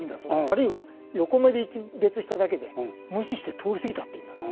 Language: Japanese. あるいは横目でいちべつしただけで無視して通り過ぎたっていいんだと。